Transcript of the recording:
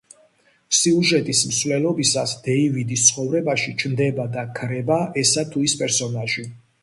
სიუჟეტის მსვლელობისას დეივიდის ცხოვრებაში ჩნდება და ქრება ესა თუ ის პერსონაჟი.